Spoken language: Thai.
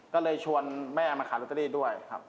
ก็เลยชวนแม่มาขายลอตเตอรี่ด้วยครับ